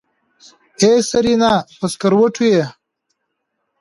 ای سېرېنا په سکروټو يې.